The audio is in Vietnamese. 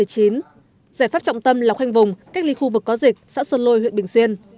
giải pháp trọng tâm là khoanh vùng cách ly khu vực có dịch xã sơn lôi huyện bình xuyên